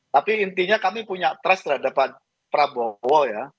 tapi intinya kami punya trust terhadap pak prabowo ya